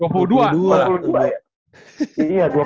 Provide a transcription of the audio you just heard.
ya lu liat sekarang lah